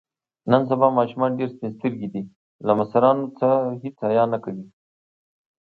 نن سبا ماشومان ډېر سپین سترګي دي. له مشرانو څخه هېڅ حیا نه کوي.